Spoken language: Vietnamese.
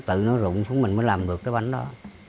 tự nó rụng xuống mình mới làm được cái bánh đó